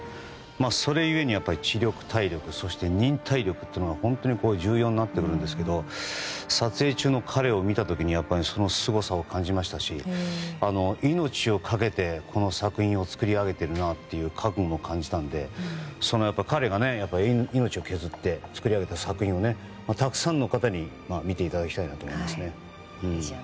それだけに知力、体力そして忍耐力が本当に重要になってくるんですが撮影中の彼を見た時にそのすごさを感じましたし命を懸けて、この作品を作り上げているなという覚悟も感じたので、彼が命を削って作り上げた作品をたくさんの方に見ていただきたいと思います。